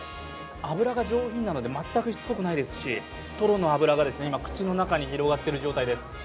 脂が上品なので、まったくしつこくないですしとろの脂が今、口の中に広がっている状態です。